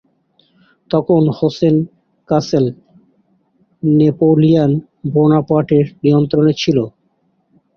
তখন Hesse Kassel Napoleon Bonaparte এর নিয়ন্ত্রণে ছিল।